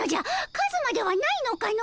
カズマではないのかの！